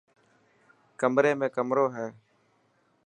ڪمري ۾ ڪمرو هي.